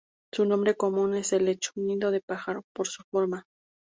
Su nombre común es helecho "nido de pájaro" por su forma.